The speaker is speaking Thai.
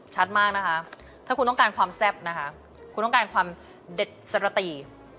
ชัดมากนะคะถ้าคุณต้องการความแซ่บนะคะคุณต้องการความเด็ดสรติ